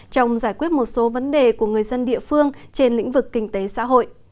trong giải quyết một số vấn đề của người dân địa phương trên lĩnh vực kinh tế xã hội